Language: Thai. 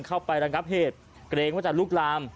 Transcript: ระงับเหตุเกรงว่าจะลุกลาม